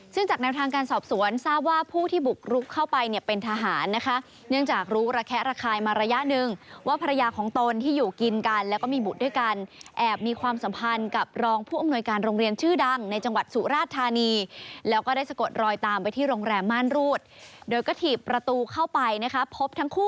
ซึ่งจากแนวทางการสอบสวนทราบว่าผู้ที่บุกรุกเข้าไปเนี่ยเป็นทหารนะคะเนื่องจากรู้ระแคะระคายมาระยะหนึ่งว่าภรรยาของตนที่อยู่กินกันแล้วก็มีบุตรด้วยกันแอบมีความสัมพันธ์กับรองผู้อำนวยการโรงเรียนชื่อดังในจังหวัดสุราชธานีแล้วก็ได้สะกดรอยตามไปที่โรงแรมม่านรูดโดยก็ถีบประตูเข้าไปนะคะพบทั้งคู่